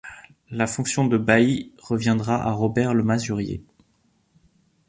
La fonction de bailli reviendra à Robert Le Masurier.